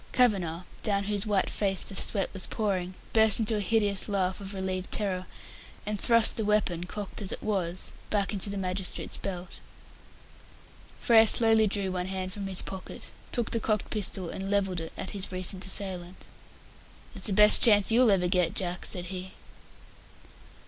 Kavanagh, down whose white face the sweat was pouring, burst into a hideous laugh of relieved terror, and thrust the weapon, cocked as it was, back again into the magistrate's belt. Frere slowly drew one hand from his pocket, took the cocked pistol and levelled it at his recent assailant. "That's the best chance you'll ever get, Jack," said he.